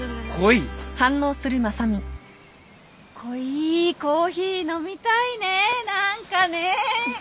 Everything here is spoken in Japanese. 濃いコーヒー飲みたいね何かね。